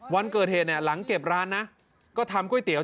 วันเกิดเหตุเนี่ยหลังเก็บร้านนะก็ทำก๋วยเตี๋ย